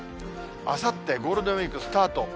あさって、ゴールデンウィークスタート。